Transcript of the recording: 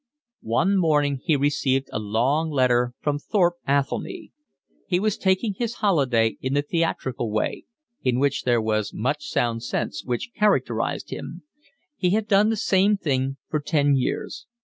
One morning he received a long letter from Thorpe Athelny. He was taking his holiday in the theatrical way, in which there was much sound sense, which characterised him. He had done the same thing for ten years.